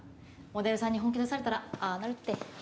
モデルさんに本気出されたらああなるって。